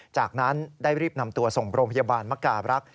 จากนั้นได้รีบนำตัวส่งโรงพยาบาลมการรักษ์